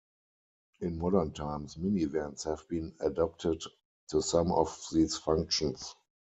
In modern times minivans have been adapted to some of these functions.